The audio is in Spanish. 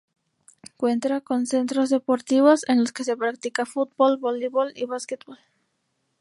Cuenta con centros deportivos, en los que se practica: fútbol, voleibol y basquetbol;.